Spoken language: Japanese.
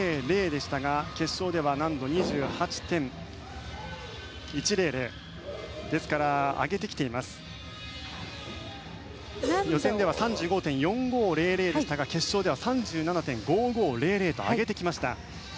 でしたが決勝では難度２８．１００．予選では３５．４００でしたが決勝では３７．５５００と上げてきました。